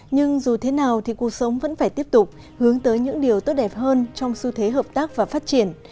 nhưng dù thế nào thì cuộc sống vẫn phải tiếp tục hướng tới những điều tốt đẹp hơn trong xu thế hợp tác và phát triển